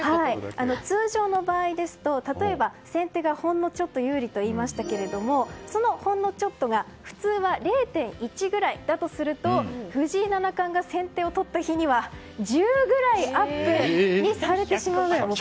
通常の場合ですと例えば、先手がほんのちょっと有利と言いましたけどそのほんのちょっとが普通は０．１ぐらいだとすると藤井七冠が先手を取った日には１０くらい１００倍。